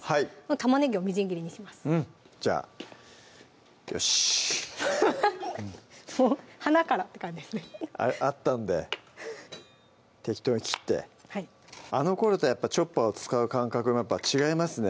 玉ねぎをみじん切りにしますじゃあよしもうはなからって感じですねあったんで適当に切ってあのころとやっぱチョッパーを使う感覚も違いますね